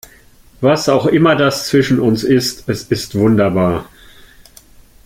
Was auch immer das zwischen uns ist, es ist wunderbar.